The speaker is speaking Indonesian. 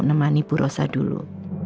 menemani bu rosa dulu